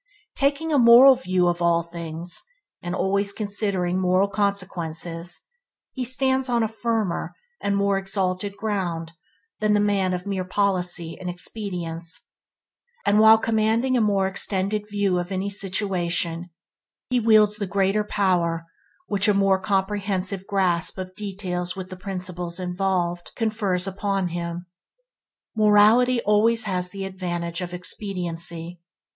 Taking a moral view of all things, and always considering moral consequences, he stands on a firmer and more exalted ground than the man of mere policy and expedience; and while commanding a more extended view of any situation, he wields the greater power which a more comprehensive grasp of details with the principles involved, confers upon him. Morality always has the advantage of expediency.